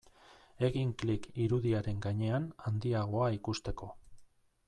Egin klik irudiaren gainean handiagoa ikusteko.